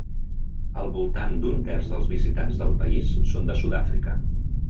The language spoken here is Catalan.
Al voltant d'un terç dels visitants del país són de Sud-àfrica.